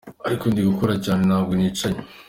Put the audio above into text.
Ariko ndi gukora cyane ntabwo nicaye.